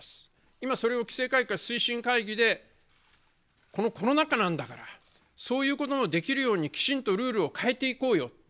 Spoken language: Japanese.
今それを規制改革に推進会議でこのコロナ禍なんだから、そういうものできるようにきちんとルールを変えていこうよ。